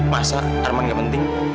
masa arman gak penting